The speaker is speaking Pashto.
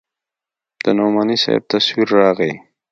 د نعماني صاحب تصوير راغى.